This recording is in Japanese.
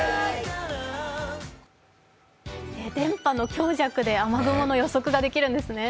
電波の強弱で雨雲の予測ができるんですね。